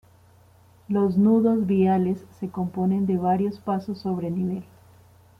Los nudos viales se componen de varios pasos sobre nivel.